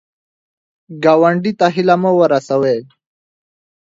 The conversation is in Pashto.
ګاونډي ته هیله مه ورسوې